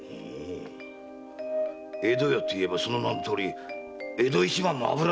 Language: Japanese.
“江戸屋”と言えばその名のとおり江戸一番の油問屋だ。